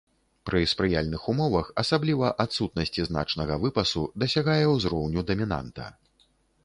Пры спрыяльных умовах, асабліва адсутнасці значнага выпасу, дасягае ўзроўню дамінанта.